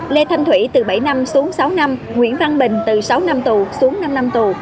lê thanh thủy từ bảy năm xuống sáu năm nguyễn văn bình từ sáu năm tù xuống năm năm tù